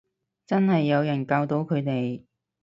真係冇人教到佢哋